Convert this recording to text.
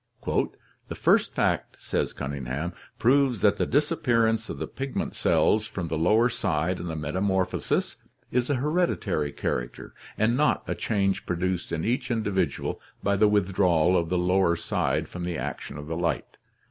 'The first fact/ says Cunning ham, 'proves that the disappearance of the pigment cells from the lower side in the metamorphosis is a hereditary character, and not a change produced in each individual by the withdrawal of the lower side from the action of the light.